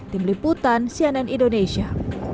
tim liputan cnn indonesia